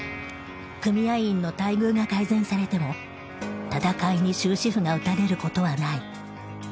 組合員の待遇が改善されても闘いに終止符が打たれることはない。